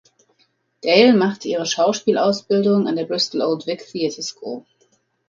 Dale machte ihre Schauspielausbildung an der Bristol Old Vic Theatre School.